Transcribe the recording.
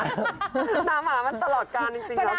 หน้าม้ามันตลอดการจริงครับ